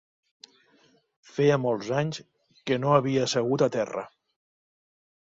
Feia molts anys que no hi havia segut a terra